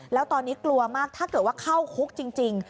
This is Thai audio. แล้วตอนนี้กลัวมากถ้าเกิดว่าเข้าคุกจริง